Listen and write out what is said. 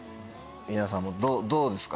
皆さんもどうですか？